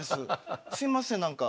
すいません何か。